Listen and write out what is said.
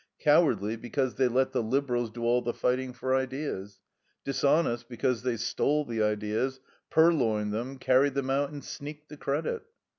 Cowardly, because they let the Liberals do all the fighting for ideas. Dis honest, because they stole the ideas, purloined *em, carried them out, and sneaked the credit.